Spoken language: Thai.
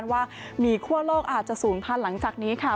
ว่ามีคั่วโลกอาจจะศูนย์พันธุ์หลังจากนี้ค่ะ